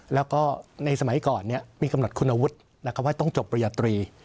แล้วก็ในสมัยก่อนมีกำหนดคุณวุฒิว่าต้องจบปริญญาตรี